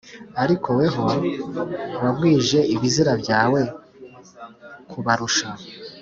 ariko weho wagwije ibizira byawe kubarusha